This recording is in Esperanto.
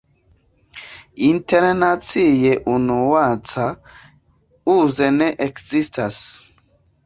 Internacie unueca uzo ne ekzistas.